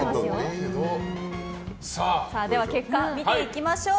では結果を見ていきましょう。